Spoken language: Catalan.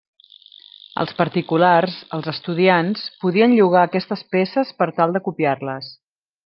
Els particulars, els estudiants, podien llogar aquestes peces, per tal de copiar-les.